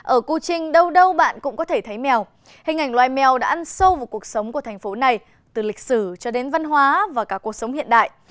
ở cư trinh đâu đâu bạn cũng có thể thấy mèo hình ảnh loài mèo đã ăn sâu vào cuộc sống của thành phố này từ lịch sử cho đến văn hóa và cả cuộc sống hiện đại